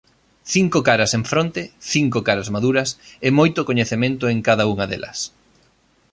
Cinco caras en fronte, cinco caras maduras, e moito coñecemento en cada unha delas.